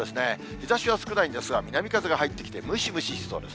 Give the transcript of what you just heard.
日ざしは少ないんですが、南風が入ってきて、ムシムシしそうです。